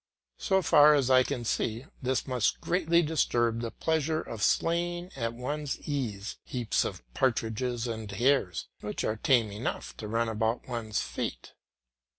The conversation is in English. So far as I can see this must greatly disturb the pleasure of slaying at one's ease heaps of partridges and hares which are tame enough to run about one's feet.